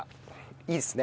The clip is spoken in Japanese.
いいですね？